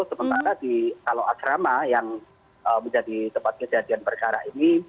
sementara kalau asrama yang menjadi tempat kejadian perkara ini